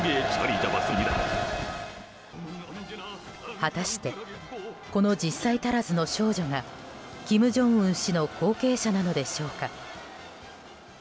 果たしてこの１０歳足らずの少女が金正恩氏の後継者なのでしょうか。